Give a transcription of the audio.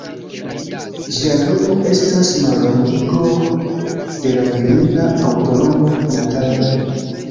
Ĝia nomo estas mallongigo de la virina antaŭnomo "Natalia".